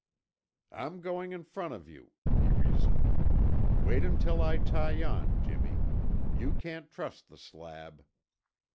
"I'm going in front of you," he resumed. "Wait until I tie on, Jimmy. You can't trust the slab."